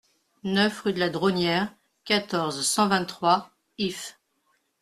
neuf rue de la Dronnière, quatorze, cent vingt-trois, Ifs